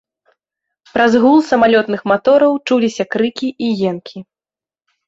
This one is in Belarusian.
Праз гул самалётных матораў чуліся крыкі і енкі.